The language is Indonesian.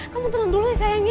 kamu tenang dulu ya sayangnya